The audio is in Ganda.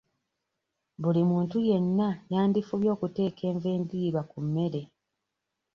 Buli muntu yenna yandifubye okuteeka enva endiirwa ku mmere.